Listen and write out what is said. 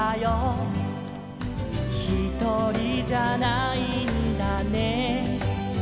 「ひとりじゃないんだね」